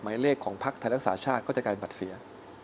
หมายเลขของพลักษณ์ธรรมชาติก็จะกลายบัตรเสีย